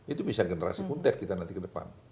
itu bisa generasi punte kita nanti ke depan